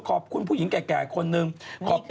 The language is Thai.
เพราะวันนี้หล่อนแต่งกันได้ยังเป็นสวย